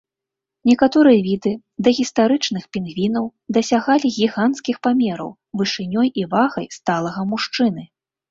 Некаторыя віды дагістарычных пінгвінаў дасягалі гіганцкіх памераў, вышынёй і вагай сталага мужчыны.